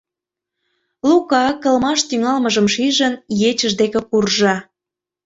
Лука, кылмаш тӱҥалмыжым шижын, ечыж деке куржо.